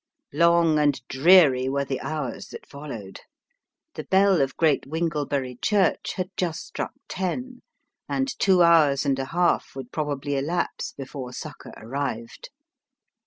Long and dreary were the hours that followed. The bell of Great Winglebury church had just struck ten, and two hours and a half would probably elapse before succour arrived.